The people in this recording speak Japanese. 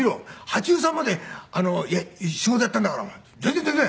８３まで仕事やったんだから全然全然。